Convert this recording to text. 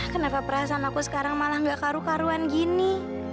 kenapa perasaan aku sekarang malah gak karu karuan gini